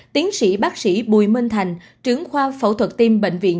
tiến sĩ bác sĩ bùi minh thành trưởng khoa phẫu thuật tim bệnh viện